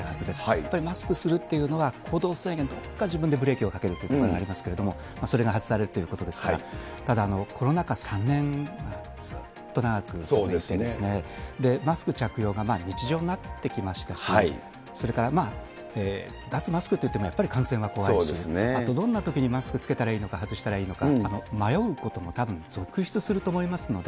やっぱりマスクするというのは、行動制限、どこかで自分でブレーキをかけるというところがありますけれども、それが外されるということですから、ただコロナ禍３年、ずっと長く続いて、マスク着用が日常になってきましたし、それからまあ、脱マスクといってもやっぱり感染が怖いし、あとどんなときにマスク着けたらいいのか、外したらいいのか、迷うこともたぶん続出すると思いますので。